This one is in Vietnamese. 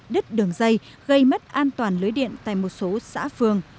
đứt đường dây gây mất an toàn lưới điện tại một số xã phường